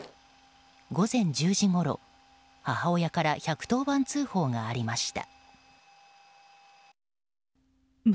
午前１０時ごろ、母親から１１０番通報がありました。